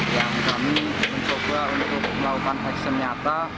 yang kami mencoba untuk melakukan action nyata